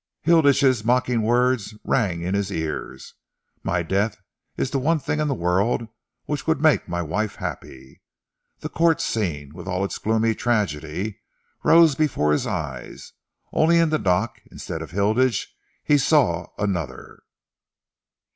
Hilditch's mocking words rang in his cars: "My death is the one thing in the world which would make my wife happy." The Court scene, with all its gloomy tragedy, rose before his eyes only in the dock, instead of Hilditch, he saw another!